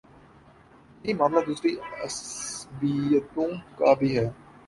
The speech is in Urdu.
یہی معاملہ دوسری عصبیتوں کا بھی ہے۔